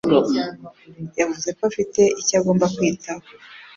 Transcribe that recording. yavuze ko afite icyo agomba kwitaho.